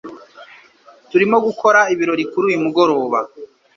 Turimo gukora ibirori kuri uyu mugoroba.